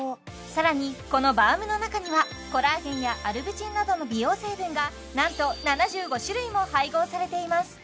さらにこのバームの中にはコラーゲンやアルブチンなどの美容成分がなんと７５種類も配合されています